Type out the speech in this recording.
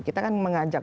kita kan mengajak